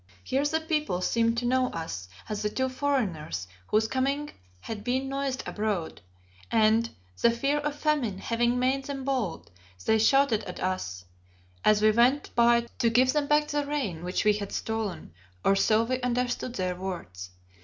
Here the people seemed to know us as the two foreigners whose coming had been noised abroad, and, the fear of famine having made them bold, they shouted at us as we went by to give them back the rain which we had stolen, or so we understood their words.